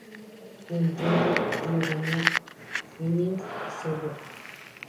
El rally lo ganó Henning Solberg.